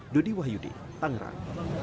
dodi wahyudi tangerang